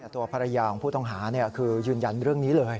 ตัวภรรยาของผู้ต้องหาคือยืนยันเรื่องนี้เลย